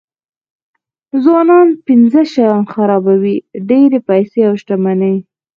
ځوانان پنځه شیان خرابوي ډېرې پیسې او شتمني.